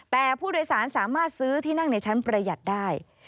แต่ผู้โดยสารสามารถซื้อที่นั่งในชั้นประหยัดได้